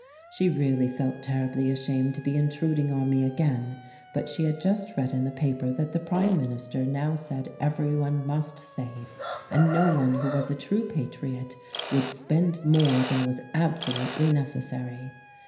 She really felt terribly ashamed to be intruding on me again; but she had just read in the paper that the Prime Minister now said everyone must save, and no one who was a true patriot would spend more than was absolutely necessary.